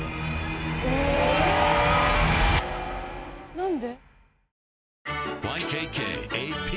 何で？